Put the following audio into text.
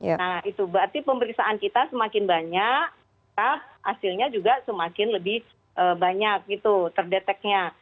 nah itu berarti pemeriksaan kita semakin banyak hasilnya juga semakin lebih banyak gitu terdeteknya